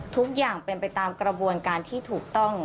ทุกอย่างเป็นไปตามกระบวนการที่ถูกต้อง